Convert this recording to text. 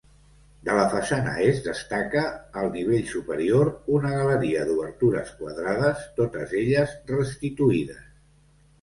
De la façana est destaca, al nivell superior, una galeria d'obertures quadrades, totes elles restituïdes.